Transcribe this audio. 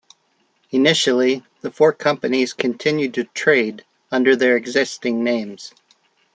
Initially, the four companies continued to trade under their existing names.